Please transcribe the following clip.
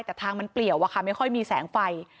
แต่ทางมันเปลี่ยวอะค่ะไม่ค่อยมีแสงไฟ